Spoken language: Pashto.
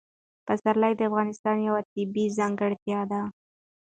پسرلی د افغانستان یوه طبیعي ځانګړتیا ده.